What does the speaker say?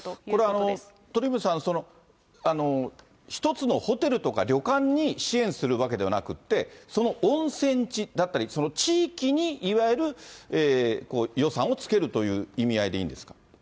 これ、鳥海さん、一つのホテルとか、旅館に支援するわけではなくて、その温泉地だったり、その地域にいわゆる予算をつけるという意味合いでいいんですか？